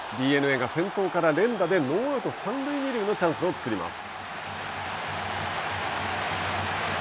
ＤｅＮＡが先頭から連打でノーアウト、三塁二塁のチャンスを作ります。